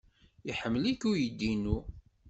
Iḥemmel-ik uydi-inu.